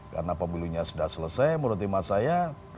karena pemilunya sudah selesai menurut iman saya